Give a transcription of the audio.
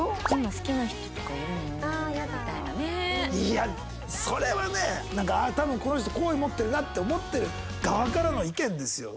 いやそれはねなんか「多分この人好意持ってるな」って思ってる側からの意見ですよ。